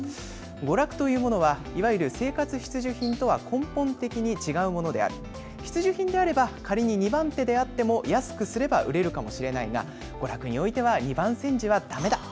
娯楽というものは、いわゆる生活必需品とは根本的に違うものであり、必需品であれば、仮に２番手であっても安くすれば売れるかもしれないが、娯楽においては二番煎じはだめだ。